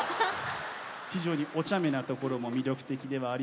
非常におちゃめなところも魅力的ではありますが。